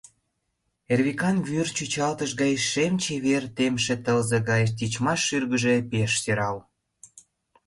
Эрвикан вӱр чӱчалтыш гай шем-чевер, темше тылзе гай тичмаш шӱргыжӧ пеш сӧрал.